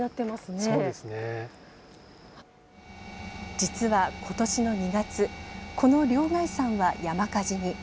実は、ことしの２月、この両崖山は山火事に。